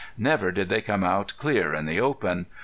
Never did they come out clear in the open.